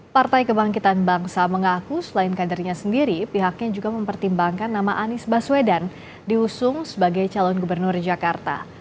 partai kebangkitan bangsa mengaku selain kadernya sendiri pihaknya juga mempertimbangkan nama anies baswedan diusung sebagai calon gubernur jakarta